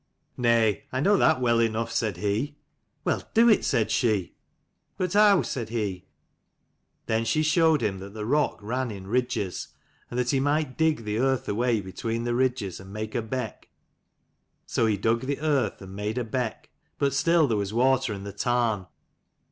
"Nay, I know that well enough," said he. "Well, do it," said she. 109 "But how?" said he. Then she showed him that the rock ran in ridges, and that he might dig the earth away between the ridges and make a beck. So he dug the earth and made a beck : but still there was water in the tarn.